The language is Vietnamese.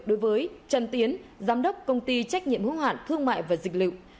đối với chân tiến giám đốc công ty trách nhiệm hướng hạn thương mại và dịch lực